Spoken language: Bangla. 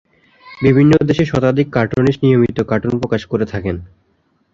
বিভিন্ন দেশের শতাধিক কার্টুনিস্ট নিয়মিত কার্টুন প্রকাশ করে থাকেন।